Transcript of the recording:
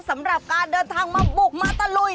สำหรับการเดินทางมาบุกมาตะลุย